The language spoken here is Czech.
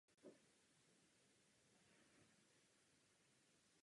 Ve vlaku se naučí „Španělsky snadno a rychle“.